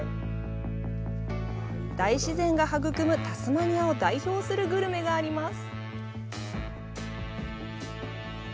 大自然が育むタスマニアを代表するグルメがあります。